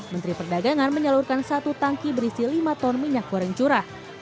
menteri perdagangan menyalurkan satu tangki berisi lima ton minyak goreng curah